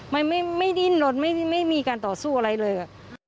มันไม่ดิ้นลนไม่มีการต่อสู้อะไรเลย